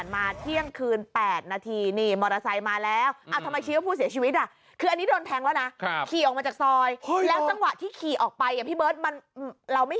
เมื่อวันที่๒๒ที่ผ่านมาเที่ยงคืน๘นาที